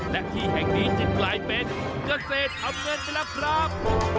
และที่แห่งดีจิตปลายเป็นเงินเศษทำเงินไปแล้วครับ